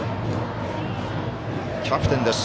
キャプテンです。